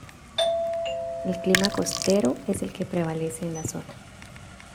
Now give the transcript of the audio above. El clima costero es el que prevalece en la zona.